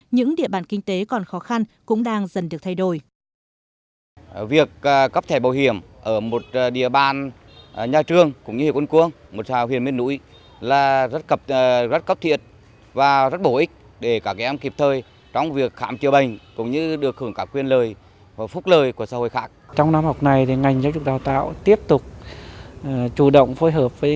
những địa bàn kinh tế còn khó khăn cũng đang dần được thay đổi